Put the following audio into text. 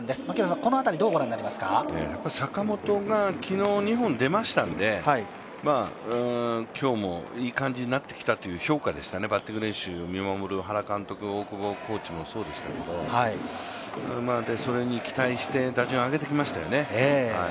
坂本が昨日２本出ましたんで今日もいい感じになってきたという評価でしたね、バッティング練習を見守る原監督、大久保コーチもそうでしたけどそれに期待して打順を上げてきましたよね。